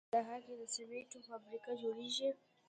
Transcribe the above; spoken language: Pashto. آیا په کندهار کې د سمنټو فابریکه جوړیږي؟